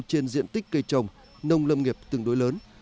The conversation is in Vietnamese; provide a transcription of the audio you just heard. trên diện tích cây trồng nông lâm nghiệp tương đối lớn